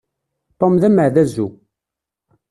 Tom d ameɛdazu.